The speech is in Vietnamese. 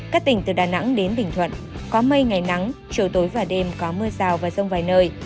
các tỉnh từ đà nẵng đến bình thuận có mây ngày nắng chiều tối và đêm có mưa rào và rông vài nơi